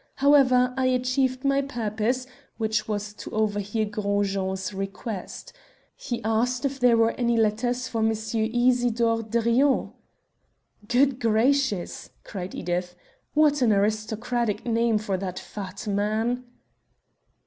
However, I achieved my purpose, which was to overhear Gros Jean's request. He asked if there were any letters for M. Isidor de Rion." "Good gracious," cried Edith, "what an aristocratic name for that fat man."